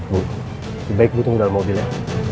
bu lebih baik di tunggu dalam mobil ya